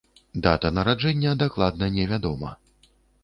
Дата нараджэння дакладна не вядома.